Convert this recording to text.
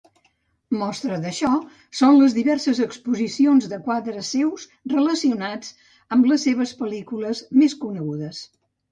Mostra d'això són diverses exposicions de quadres seus relacionats amb les seves pel·lícules més conegudes.